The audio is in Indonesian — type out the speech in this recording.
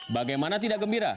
bagaimana tidak gembira